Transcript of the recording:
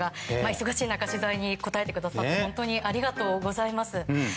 忙しい中、取材に答えてくださって本当にありがとうございます。